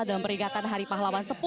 dan peringatan hari pahlawan